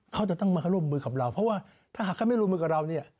เขาจะต้องมาร่วมมือกับเราเพราะว่าถ้าหากเขาไม่รวมมือกับเราเนี่ย